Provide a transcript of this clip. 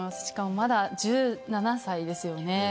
しかもまだ１７歳ですよね。